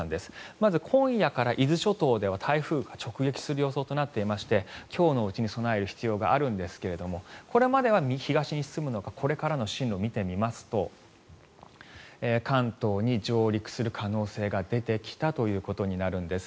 まず今夜から伊豆諸島では台風が直撃する予想となっていまして今日のうちに備える必要があるんですがこれまでは東に進むのがこれからの進路を見てみますと関東に上陸する可能性が出てきたということになるんです。